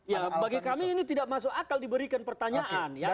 ya bagi kami ini tidak masuk akal diberikan pertanyaan ya